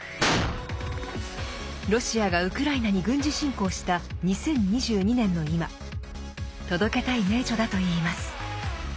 ロシアがウクライナに軍事侵攻した２０２２年の今届けたい名著だといいます。